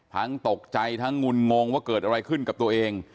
ตกใจทั้งงุนงงว่าเกิดอะไรขึ้นกับตัวเอง